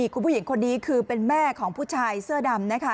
คุณผู้หญิงคนนี้คือเป็นแม่ของผู้ชายเสื้อดำนะคะ